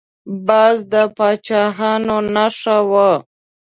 باز د پاچاهانو نښه وه